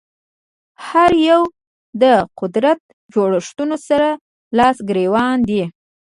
هر یو د قدرت جوړښتونو سره لاس ګرېوان دي